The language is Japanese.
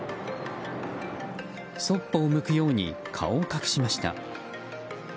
そっぽを向くように顔を隠しました。